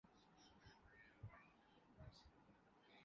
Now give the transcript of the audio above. اسے یہ شخص یا کیفیت حیران کن اور مزا دینے والی لگتی ہے